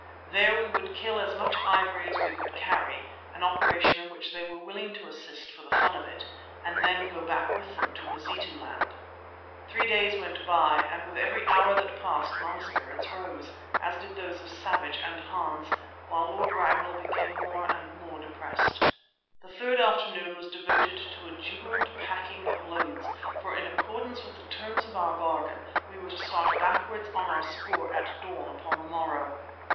There we would kill as much ivory as we could carry, an operation in which they were willing to assist for the fun of it, and then go back with them to Mazituland. The three days went by and with every hour that passed my spirits rose, as did those of Savage and Hans, while Lord Ragnall became more and more depressed. The third afternoon was devoted to a jubilant packing of loads, for in accordance with the terms of our bargain we were to start backwards on our spoor at dawn upon the morrow.